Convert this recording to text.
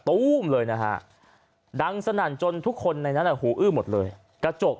ตู้มเลยนะฮะดังสนั่นจนทุกคนในนั้นหูอื้อหมดเลยกระจก